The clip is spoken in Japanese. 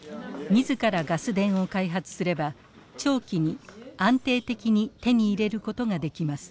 自らガス田を開発すれば長期に安定的に手に入れることができます。